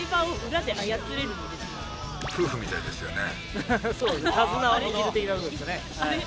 夫婦みたいですよね。